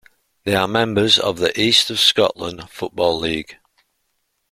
They are members of the East of Scotland Football League.